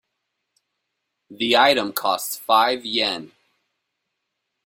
The item costs five Yen.